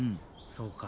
そうか。